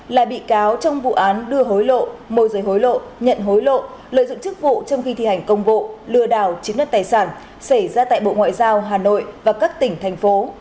là bị cáo trong vụ án đưa hối lộ môi giới hối lộ nhận hối lộ lợi dụng chức vụ trong khi thi hành công vụ lừa đảo chiếm đất tài sản xảy ra tại bộ ngoại giao hà nội và các tỉnh thành phố